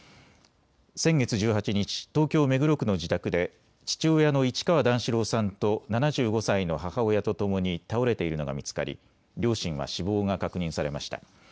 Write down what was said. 先月１８日、東京目黒区の自宅で父親の市川段四郎さんと７５歳の母親とともに倒れているのが見つかり両親は死亡が確認されました。